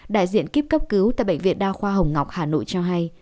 đại diện kiếp cấp cứu tại bệnh viện đao khoa hồng ngọc hà nội cho hay